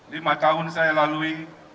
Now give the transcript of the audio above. lima tahun saya lalui